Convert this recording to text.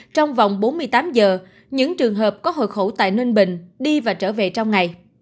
trong vòng bốn mươi tám giờ những trường hợp có hộ khẩu tại ninh bình đi và trở về trong ngày